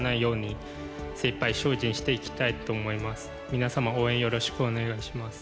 皆様応援よろしくお願いします。